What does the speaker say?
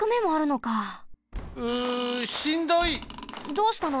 どうしたの？